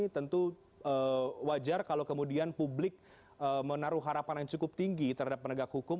tentu wajar kalau kemudian publik menaruh harapan yang cukup tinggi terhadap penegak hukum